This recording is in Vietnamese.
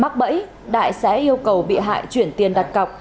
mắc bẫy đại sẽ yêu cầu bị hại chuyển tiền đặt cọc